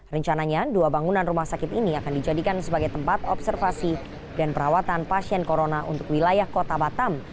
rencananya dua bangunan rumah sakit ini akan dijadikan sebagai tempat observasi dan perawatan pasien corona untuk wilayah kota batam